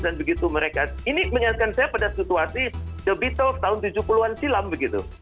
dan begitu mereka ini menyatakan saya pada situasi the beatles tahun tujuh puluh an silam begitu